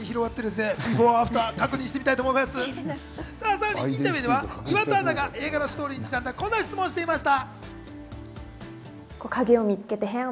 さらにインタビューでは岩田アナが映画のストーリーにちなんだこんな質問をしていました。